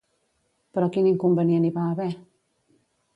Però quin inconvenient hi va haver?